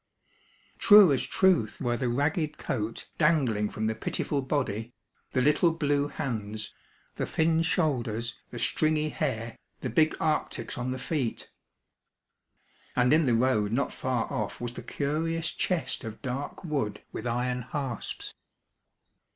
True as truth were the ragged coat dangling from the pitiful body, the little blue hands, the thin shoulders, the stringy hair, the big arctics on the feet. And in the road not far off was the curious chest of dark wood with iron hasps.